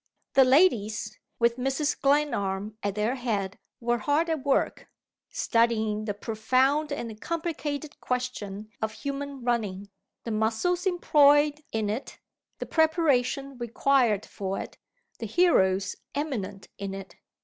The ladies, with Mrs. Glenarm at their head, were hard at work, studying the profound and complicated question of human running the muscles employed in it, the preparation required for it, the heroes eminent in it.